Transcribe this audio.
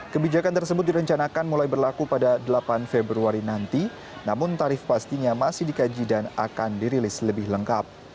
kebijakan tersebut direncanakan mulai berlaku pada delapan februari nanti namun tarif pastinya masih dikaji dan akan dirilis lebih lengkap